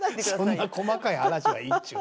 そんな細かい話はいいっちゅう。